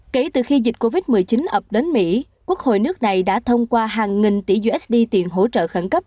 kể từ khi dịch covid một mươi chín ập đến mỹ quốc hội nước này đã thông qua hàng nghìn tỷ usd tiền hỗ trợ khẩn cấp